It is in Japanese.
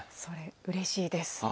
それ嬉しいです。